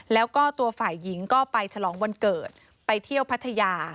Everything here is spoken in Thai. แล้วก็ตัวฝ่ายหญิงก็ไปฉลองวันเกิดไปเที่ยวพัทยา